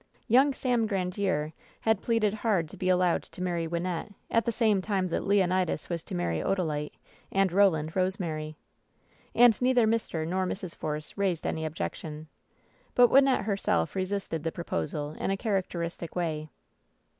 Young Sam Grandiere had pleaded hard to be al lowed to marry Wynnette at the same time that Leonid as was to marry Odalite, and Eoland Rosemary. And neither Mr. nor Mrs. Force raised any objection. But Wynnette herself resisted the proposal in a character istic way.